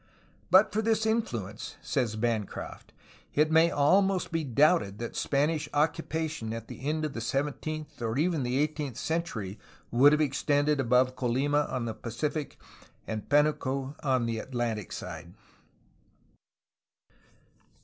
"But for this influence/* says Bancroft, "it may almost be doubted that Spanish occupation at the end of the seventeenth or even the eighteenth century would have extended above Colima on the Pacific and Pdnuco on the Atlantic side."